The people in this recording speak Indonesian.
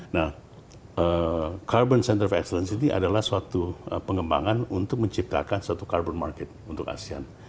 nah carbon center of excellence ini adalah suatu pengembangan untuk menciptakan suatu carbon market untuk asean